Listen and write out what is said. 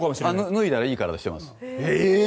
脱いだらいい体してます。